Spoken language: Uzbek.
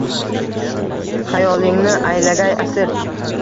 Xayolingni aylagay asir.